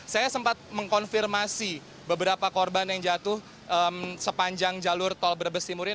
saya sempat mengkonfirmasi beberapa korban yang jatuh sepanjang jalur tol brebes timur ini